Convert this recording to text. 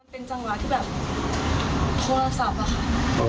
เป็นจังหวะที่แบบโทรศัพท์อะค่ะ